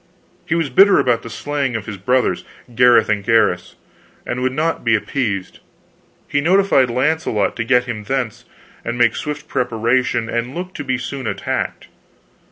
He was bitter about the slaying of his brothers, Gareth and Gaheris, and would not be appeased. He notified Launcelot to get him thence, and make swift preparation, and look to be soon attacked.